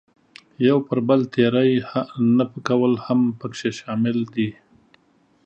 یو پر بل تېری نه کول هم پکې شامل دي.